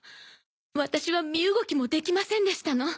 私は身動きもできませんでしたの。